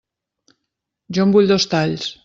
Jo en vull dos talls.